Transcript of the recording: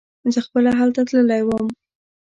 زه خپله هلته تللی وم.